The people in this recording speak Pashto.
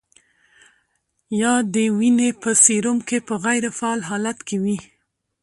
یا د وینې په سیروم کې په غیر فعال حالت کې وي.